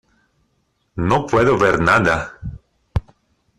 No puedo ver nada.